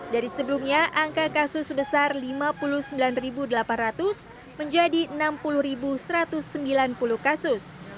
dari sebelumnya angka kasus sebesar lima puluh sembilan delapan ratus menjadi enam puluh satu ratus sembilan puluh kasus